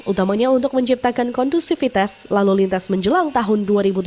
utamanya untuk menciptakan kondusivitas lalu lintas menjelang tahun dua ribu delapan belas